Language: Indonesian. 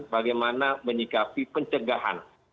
bagaimana menyikapi pencegahan